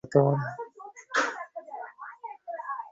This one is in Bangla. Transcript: কত রকম অদ্ভুত সমস্যা আমাদের চারদিকে।